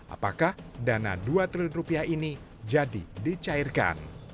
apakah dana dua triliun rupiah ini jadi dicairkan